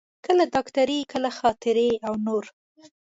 کله ډاکټري، کله خاطرې او نور.